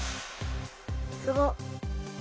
すごっ。